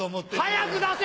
早く出せ！